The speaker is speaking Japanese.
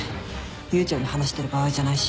悠長に話してる場合じゃないし。